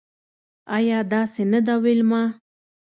ایا داسې نده ویلما